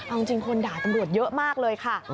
เอาจริงคนด่าตำรวจเยอะมากเลยค่ะ